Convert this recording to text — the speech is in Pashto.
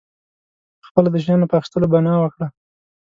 پخپله د شیانو په اخیستلو بنا وکړه.